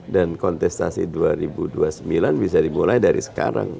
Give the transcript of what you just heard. dan kontestasi dua ribu dua puluh sembilan bisa dimulai dari sekarang